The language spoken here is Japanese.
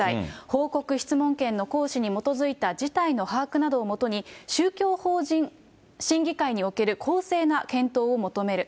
報告質問権の行使に基づいた事態の把握などをもとに、宗教法人審議会における公正な検討を求める。